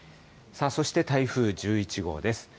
そして台風１１号です。